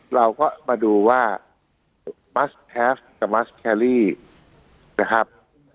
เราก็มาดูว่ากับนะครับ